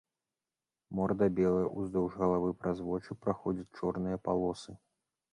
Морда белая, уздоўж галавы праз вочы праходзяць чорныя палосы.